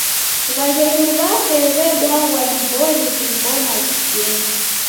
W'aghenyu w'ape w'ebwaghwa ni mbori w'imbona ukienda.